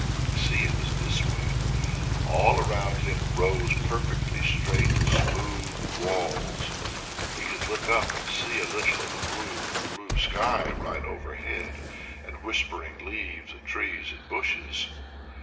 You see, it was this way. All around him rose perfectly straight smooth walls. He could look up and see a little of the blue, blue sky right overhead and whispering leaves of trees and bushes.